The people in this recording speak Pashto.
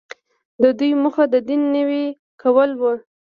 د دوی موخه د دین نوی کول وو.